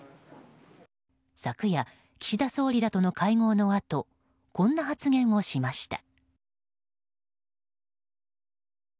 昨夜、岸田総理らとの会合のあとこんな発言をしました。